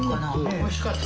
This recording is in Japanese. おいしかった。